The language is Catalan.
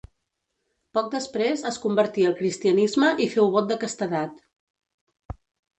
Poc després es convertí al cristianisme i feu vot de castedat.